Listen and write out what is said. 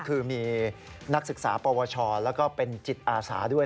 คือมีนักศึกษาปวชแล้วก็เป็นจิตอาสาด้วย